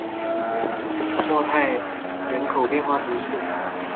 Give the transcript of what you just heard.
莫泰人口变化图示